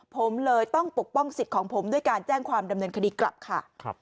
ผมเลยต้องปกป้องสิทธิ์ของผมด้วยการแจ้งความดำเนินคดีกลับค่ะ